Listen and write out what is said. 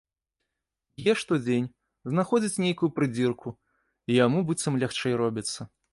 Б'е штодзень, знаходзіць нейкую прыдзірку, і яму быццам лягчэй робіцца.